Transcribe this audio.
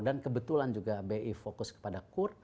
dan kebetulan juga bri fokus kepada kur